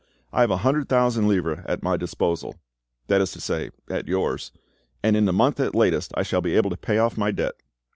I have a hundred thousand livres at my disposal,—that is to say, at yours,—and in a month at latest I shall be able to pay off my debt.